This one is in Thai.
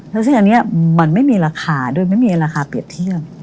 แล้วซึ่งอันนี้มันไม่มีราคาโดยไม่มีราคาเปรียบเทียบ